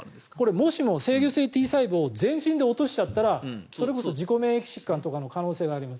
もしも制御性Ｔ細胞を全身で落としちゃったらそれこそ自己免疫疾患とかの可能性があります。